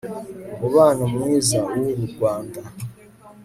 umubano mwiza, w'uru rwanda